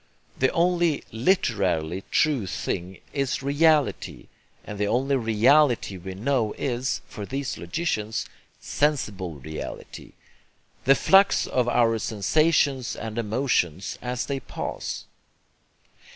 The only literally true thing is REALITY; and the only reality we know is, for these logicians, sensible reality, the flux of our sensations and emotions as they pass.